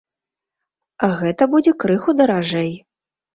Гэта будзе крыху даражэй.